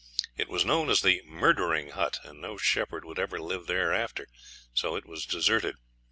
It was known as the 'Murdering Hut', and no shepherd would ever live there after, so it was deserted.